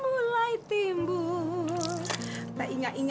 masa masa bukan aku aja